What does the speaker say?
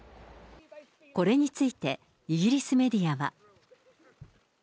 これについて、イギリスメディアは。